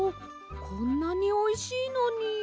こんなにおいしいのに。